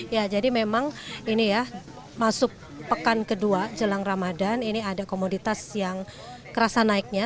ya jadi memang ini ya masuk pekan kedua jelang ramadan ini ada komoditas yang kerasa naiknya